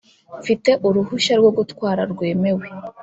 Mfite uruhushya rwo gutwara rwemewe